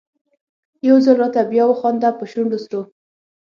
يو ځل راته بیا وخانده په شونډو سرو